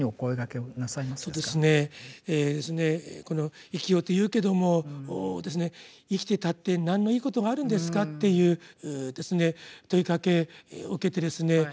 この「生きよ」と言うけども「生きていたって何のいいことがあるんですか」っていう問いかけを受けてですね